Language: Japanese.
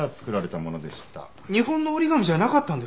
日本の折り紙じゃなかったんですか？